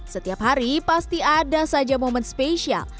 setiap hari pasti ada saja momen spesial